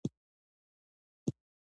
د خوست په قلندر کې د ګچ نښې شته.